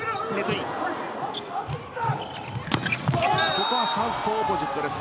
ここはサウスポーオポジットです。